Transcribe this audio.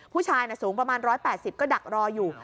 ผู้ชายสูงประมาณ๑๘๐ก็ดักรออยู่